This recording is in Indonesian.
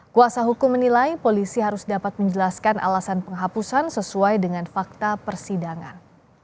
kuasa hukum menilai polisi harus dapat menjelaskan alasan penghapusan sesuai dengan fakta persidangan